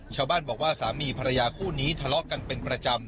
ชาวบ้านบอกว่าสามีภรรยาคู่นี้ทะเลาะกันเป็นประจำ